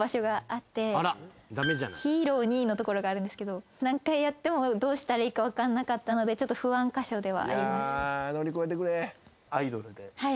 「ヒーローに」のところがあるんですけど何回やってもどうしたらいいか分かんなかったのでちょっと不安箇所ではあります。